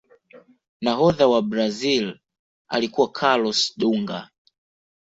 nahodha wa brazil alikuwa carlos dunga